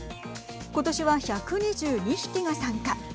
今年は１２２匹が参加。